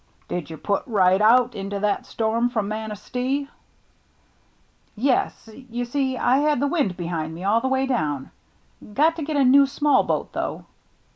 " Did you put right out into that storm from Manistee ?"" Yes — you see I had the wind behind me all the way down. Got to get a new small boat, though."